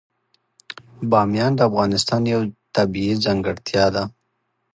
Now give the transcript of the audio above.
بامیان د افغانستان یوه طبیعي ځانګړتیا ده.